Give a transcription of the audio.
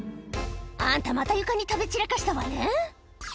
「あんたまた床に食べ散らかしたわね」